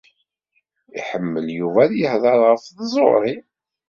Iḥemmel Yuba ad yehḍeṛ ɣef tẓuṛi.